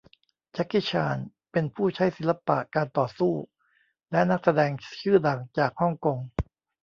แจ็คกี้ชานเป็นผู้ใช้ศิลปะการต่อสู้และนักแสดงชื่อดังจากฮ่องกง